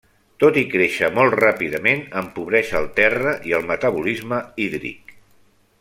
Tot i créixer molt ràpidament, empobreix el terra i el metabolisme hídric.